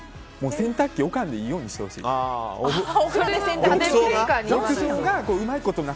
洗濯機置かないようにしてほしいの。